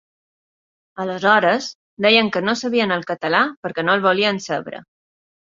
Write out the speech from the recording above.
Aleshores, deien que no sabien el català perquè no el volien saber.